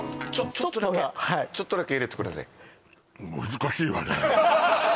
ちょっとだけちょっとだけ入れてください